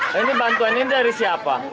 nah ini bantuan ini dari siapa